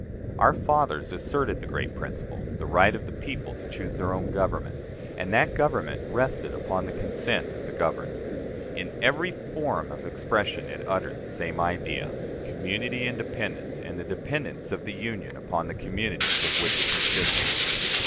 Our fathers asserted the great principle the right of the people to choose their own government and that government rested upon the consent of the governed. In every form of expression it uttered the same idea, community independence and the dependence of the Union upon the communities of which it consisted.